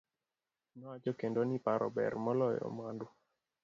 Nowacho kendo ni paro ber maloyo mwandu.